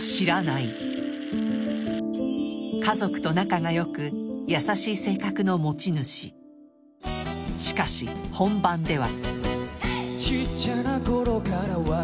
家族と仲が良く優しい性格の持ち主しかし本番では